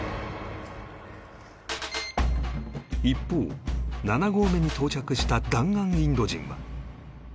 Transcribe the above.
一方７合目に到着した弾丸インド人は